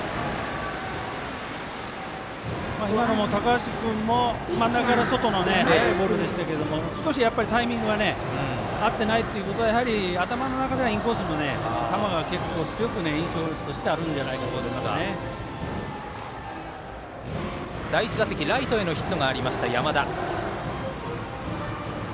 今のも高橋君も真ん中から外の速いボールでしたが少し、タイミングが合ってないということは頭の中ではインコースの球が印象としては強くあるんじゃ第１打席、ライトへのヒットがありました、山田。